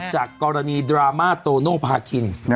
จากกรณีดราม่าโตโนภาคิน